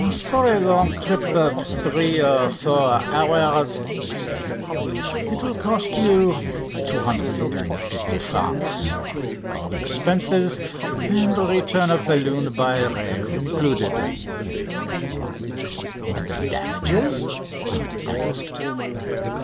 "For a long trip of three or four hours," he said, "it will cost you 250 francs, all expenses and return of balloon by rail included." "And the damages?" I asked.